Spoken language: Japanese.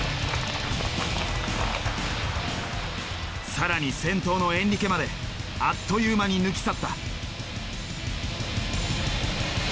更に先頭のエンリケまであっという間に抜き去った。